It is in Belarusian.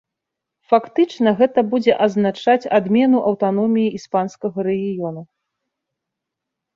Фактычна гэта будзе азначаць адмену аўтаноміі іспанскага рэгіёна.